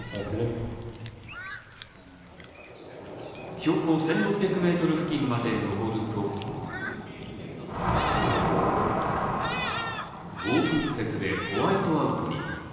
標高１６００ｍ付近まで登ると暴風雪でホワイトアウトに。